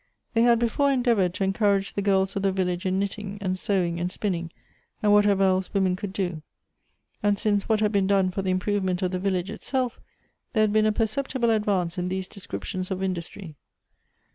They had before endeav ored to encourage the girls of the village in knitting, and sewing, and spinning, and whatever else women could do ; and since what had been done for the improvement of the village itself, there had been a perceptible advance in these descriptions of industry.